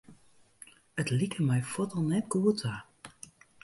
It like my fuort al net goed ta.